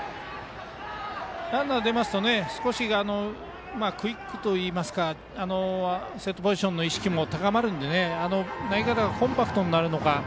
ランナーが出ますと少しクイックといいますかセットポジションの意識も高まりますので投げ方がコンパクトになるのか